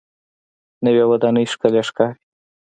نوې ودانۍ ښکلې ښکاري